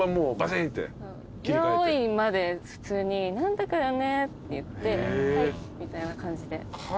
「よい」まで普通に「何とかだよね」って言って「はい」みたいな感じで。